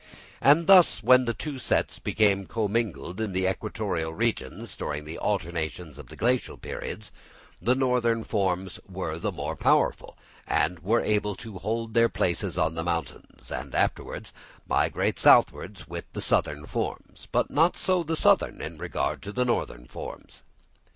And thus, when the two sets became commingled in the equatorial regions, during the alternations of the Glacial periods, the northern forms were the more powerful and were able to hold their places on the mountains, and afterwards migrate southward with the southern forms; but not so the southern in regard to the northern forms.